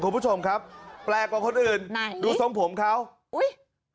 คุณผู้ชมครับแปลกกว่าคนอื่นไหนดูทรงผมเขาอุ้ย